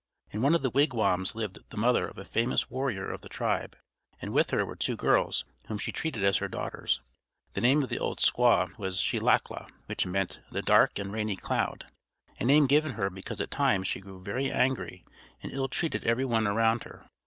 In one of the wigwams lived the mother of a famous warrior of the tribe, and with her were two girls whom she treated as her daughters. The name of the old squaw was She lack la, which meant "the Dark and Rainy Cloud," a name given her because at times she grew very angry and ill treated every one around her.